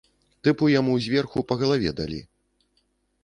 Тыпу яму зверху па галаве далі.